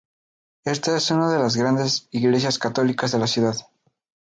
Esta es una de las grandes iglesias católicas de la ciudad.